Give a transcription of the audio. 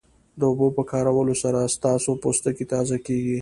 د اوبو په کارولو سره ستاسو پوستکی تازه کیږي